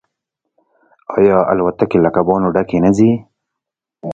آیا الوتکې له کبانو ډکې نه ځي؟